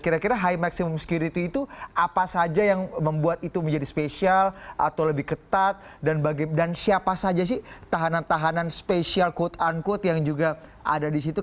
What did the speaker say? kira kira high maximum security itu apa saja yang membuat itu menjadi spesial atau lebih ketat dan siapa saja sih tahanan tahanan spesial quote unquote yang juga ada di situ